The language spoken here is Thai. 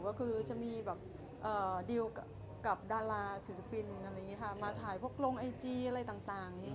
ก็คือจะมีดีลกับดาราศือปินมาถ่ายพวกโรงไอจีอะไรต่าง